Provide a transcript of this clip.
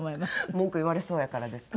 文句言われそうやからですか？